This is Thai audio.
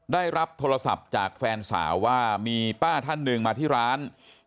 ได้รับโทรศัพท์จากแฟนสาวว่ามีป้าท่านหนึ่งมาที่ร้าน